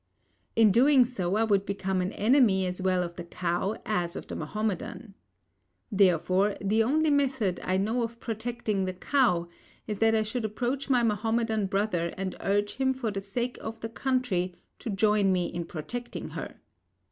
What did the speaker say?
In doing so, I would become an enemy as well of the cow as of the Mahomedan. Therefore, the only method I know of protecting the cow is that I should approach my Mahomedan brother and urge him for the sake of the country to join me in protecting her.